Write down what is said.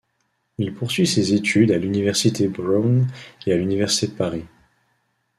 Il poursuit ses études à l'Université Brown et à l'Université de Paris.